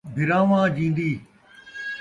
بھراواں جین٘دی